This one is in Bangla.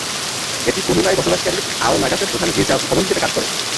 এটি কোহিমায় বসবাসকারী আও নাগাসের প্রধান গির্জা ভবন হিসেবে কাজ করে।